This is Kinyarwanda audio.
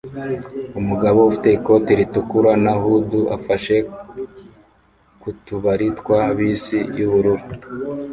Umugabo ufite ikoti ritukura na hood afashe ku tubari twa bisi yubururu